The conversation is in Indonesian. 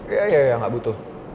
iya iya gak butuh